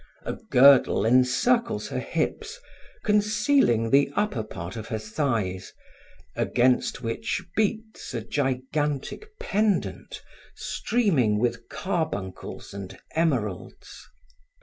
A girdle encircles her hips, concealing the upper part of her thighs, against which beats a gigantic pendant streaming with carbuncles and emeralds.